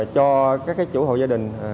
cho các cái chủ hộ gia đình